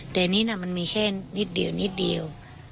แต่อันนี้มันมีแค่นิดเดียวนิดเดียว